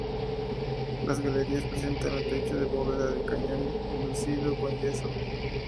Las galerías presentan un techo de bóveda de cañón enlucido con yeso.